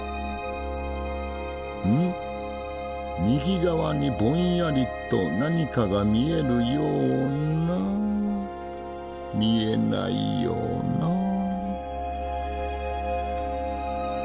右側にぼんやりと何かが見えるような見えないような。